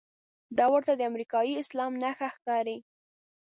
دا ورته د امریکايي اسلام نښه ښکاري.